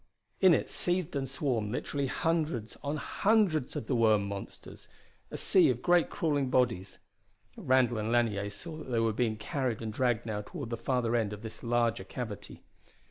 In it seethed and swarmed literally hundreds on hundreds of the worm monsters, a sea of great crawling bodies. Randall and Lanier saw that they were being carried and dragged now toward the farther end of this larger cavity.